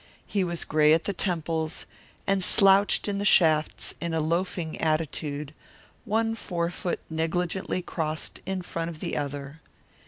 He was gray at the temples, and slouched in the shafts in a loafing attitude, one forefoot negligently crossed in front of the other.